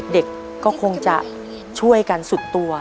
เด็กก็คงจะช่วยกันสุดตัว